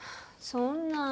そんな。